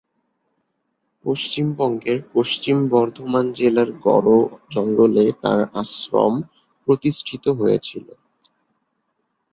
পশ্চিমবঙ্গের পশ্চিম বর্ধমান জেলার গড় জঙ্গলে তার আশ্রম প্রতিষ্ঠিত হয়েছিল।